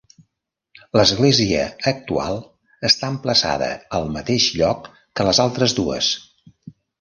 L'església actual està emplaçada al mateix lloc que les altres dues.